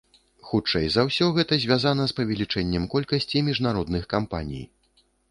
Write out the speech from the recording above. Хутчэй за ўсё, гэта звязана з павелічэннем колькасці міжнародных кампаній.